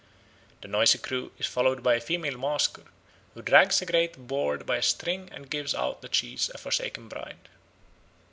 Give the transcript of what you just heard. The noisy crew is followed by a female masker, who drags a great board by a string and gives out that she is a forsaken bride.